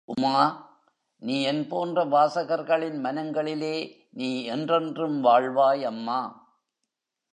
உமா!... என் போன்ற வாசகர்களின் மனங்களிலே நீ என்றென்றும் வாழ்வாய், அம்மா...!